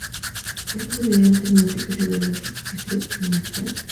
Está dividida en seis municipios y dos distritos municipales.